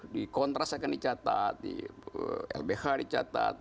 di kontras akan dicatat di lbh dicatat